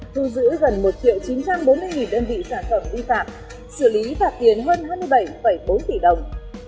thu giữ gần một chín trăm bốn mươi đơn vị sản phẩm vi phạm xử lý phạt tiền hơn hai mươi bảy bốn tỷ đồng